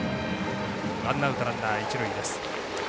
ワンアウト、ランナー、一塁です。